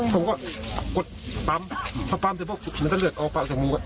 ผมก็กดปั๊มพอปั๊มน่าต้องเลือกออกปากจมูกอ่ะ